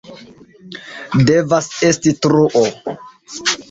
Devas esti truo!